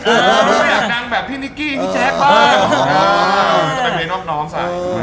หนูไม่อยากดังแบบพี่นิกกี้พี่แจ็คบ้างต้องเป็นเปรย์นอบน้องสัก